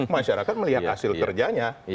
masyarakat melihat hasil kerjanya